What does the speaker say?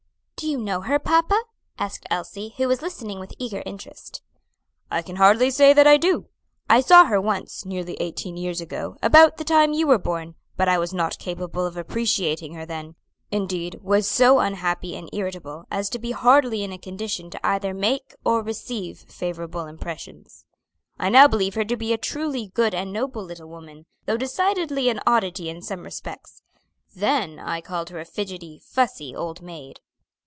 "Do you know her, papa?" asked Elsie, who was listening with eager interest. "I can hardly say that I do. I saw her once, nearly eighteen years ago, about the time you were born but I was not capable of appreciating her then; indeed, was so unhappy and irritable as to be hardly in a condition to either make or receive favorable impressions. I now believe her to be a truly good and noble little woman, though decidedly an oddity in some respects. Then I called her a fidgety, fussy old maid."